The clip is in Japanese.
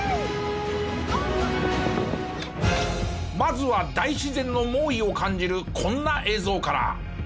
まずは大自然の猛威を感じるこんな映像から。